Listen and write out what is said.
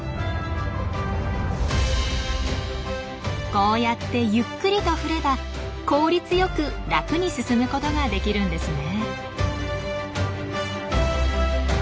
こうやってゆっくりと振れば効率よく楽に進むことができるんですね。